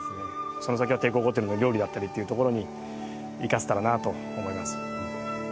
その先は帝国ホテルの料理だったりっていうところに生かせたらなと思います。